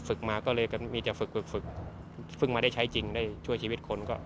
ฝึกมาก็เลยก็มีจะฝึกฝึกฝึกฝึกมาได้ใช้จริงได้ช่วยชีวิตคนก็